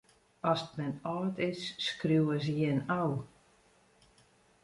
Ast men âld is, skriuwe se jin ôf.